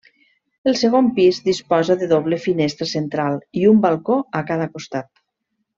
El segon pis disposa de doble finestra central i un balcó a cada costat.